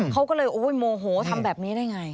เขาก็เลยโอ้โฮโมโหทำแบบนี้ได้อย่างไร